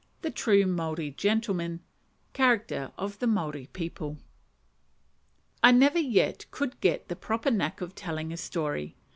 The true Maori Gentleman. Character of the Maori People. I never yet could get the proper knack of telling a story.